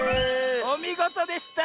おみごとでした！